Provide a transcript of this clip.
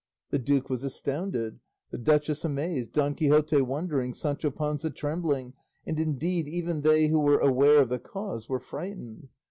The duke was astounded, the duchess amazed, Don Quixote wondering, Sancho Panza trembling, and indeed, even they who were aware of the cause were frightened.